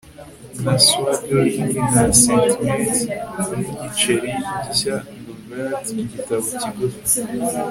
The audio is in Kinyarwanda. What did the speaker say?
Nka swaggering na sentimenti nkigiceri gishya novellete igitabo kigufi